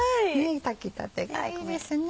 炊きたてがいいですね。